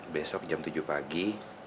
besok jam tujuh pagi